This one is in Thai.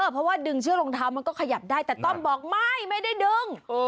เพราะว่าดึงเชือกรองเท้ามันก็ขยับได้แต่ต้อมบอกไม่ไม่ได้ดึง